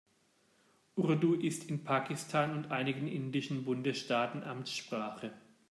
Urdu ist in Pakistan und einigen indischen Bundesstaaten Amtssprache.